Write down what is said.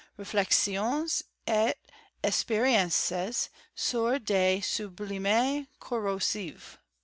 Reflexions et Experiences sur le Sublime Corro* sive.